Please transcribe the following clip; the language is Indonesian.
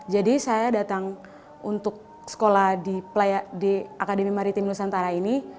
jadi saya datang untuk sekolah di akademi maritim nusantara ini